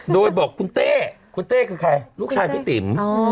โดยบอกคุณเต้คุณเต้คือใครลูกชายพี่ติ๋ม